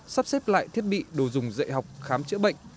sắp xếp lại thiết bị đồ dùng dạy học khám chữa bệnh